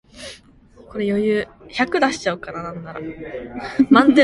재밌겠다!